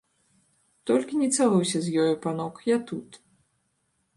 Толькі не цалуйся з ёю, панок, я тут.